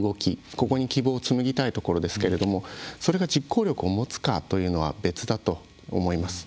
ここに希望をつむぎたいところですけどもそれが実効力を持つかというのは別だと思います。